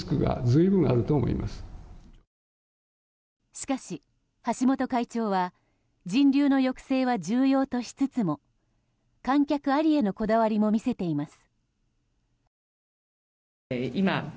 しかし、橋本会長は人流の抑制は重要としつつも観客ありへのこだわりも見せています。